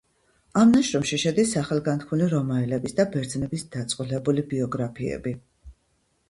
ამ ნაშრომში შედის სახელგანთქმული რომაელების და ბერძნების დაწყვილებული ბიოგრაფიები.